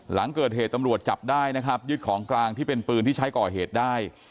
หลังเกิดเหตุตำรวจจับได้นะครับยึดของกลางที่เป็นปืนที่ใช้ก่อเหตุได้